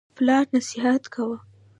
پلار نصیحت کاوه.